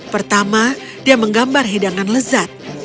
pertama dia menggambar hidangan lezat